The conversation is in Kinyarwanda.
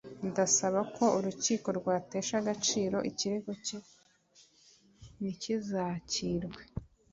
ndasaba ko urukiko rwatesha agaciro ikirego cye ntikizakirwe